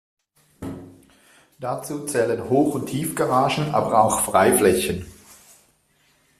Dazu zählen Hoch- und Tiefgaragen, aber auch Freiflächen.